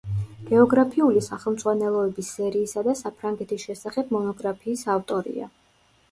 გეოგრაფიული სახელმძღვანელოების სერიისა და საფრანგეთის შესახებ მონოგრაფიის ავტორია.